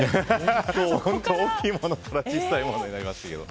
本当、大きいものから小さいものまでございますけれど。